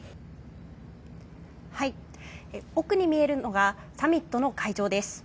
奥に見えるのがサミットの会場です。